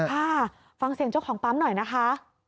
ค่ะฟังเสียงเจ้าของปั๊มหน่อยนะคะ